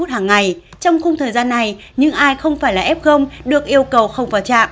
trong khung thời gian này những ai không phải là f được yêu cầu không vào trạm